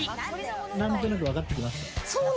何となく、わかってきました？